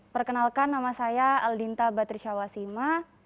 perkenalkan nama saya aldinta batrisyawasima